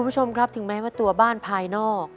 คุณผู้ชมครับถึงแม้ว่าตัวบ้านภายนอก